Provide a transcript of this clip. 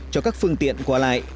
cho các phương tiện qua lại